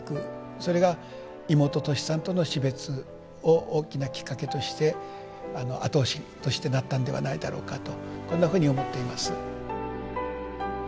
それが妹トシさんとの死別を大きなきっかけとして後押しとしてなったんではないだろうかとこんなふうに思っています。